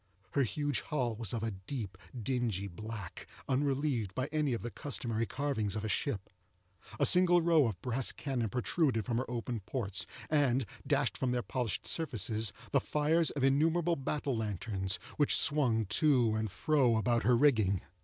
Her huge hull was of a deep dingy black, unrelieved by any of the customary carvings of a ship. A single row of brass cannon protruded from her open ports, and dashed from their polished surfaces the fires of innumerable battle lanterns, which swung to and fro about her rigging.